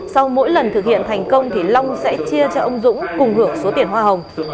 sau mỗi lần thực hiện thành công thì long sẽ chia cho ông dũng cùng hưởng số tiền hoa hồng